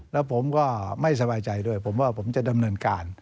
แล้วผมก็ไม่สบายใจด้วยผมว่าผมจะดำเนินการ